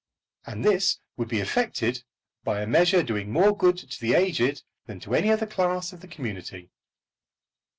And this would be effected by a measure doing more good to the aged than to any other class of the community!